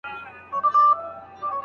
آیا د سهار خوب تر ماښام خوب خوږ دی؟